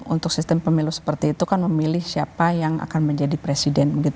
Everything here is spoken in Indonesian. untuk sistem pemilu seperti itu kan memilih siapa yang akan menjadi presiden